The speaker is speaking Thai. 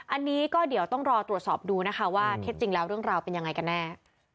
อันนี้ก็เดี๋ยวต้องรอตรวจสอบดูนะคะว่าเท็จจริงแล้วเรื่องราวเป็นยังไงกันแน่